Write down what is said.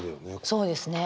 そうですね。